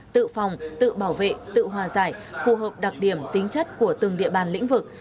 tự phòng tự bảo vệ tự hòa giải phù hợp đặc điểm tính chất của từng địa bàn lĩnh vực